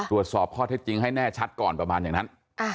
ตรวจสอบข้อเท็จจริงให้แน่ชัดก่อนประมาณอย่างนั้น